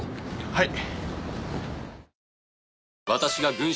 はい。